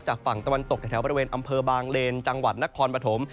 ฝั่งตะวันตกแถวบริเวณอำเภอบางเลนจังหวัดนครปฐม